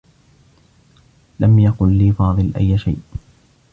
لم يقل لي فاضل أيّ شيء.